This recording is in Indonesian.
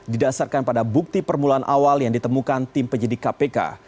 didasarkan pada bukti permulaan awal yang ditemukan tim penyidik kpk